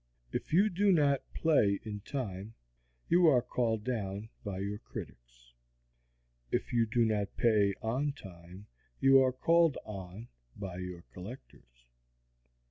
If you do not play in time, you are called down by your critics; if you do not pay on time, you are called on by your collectors.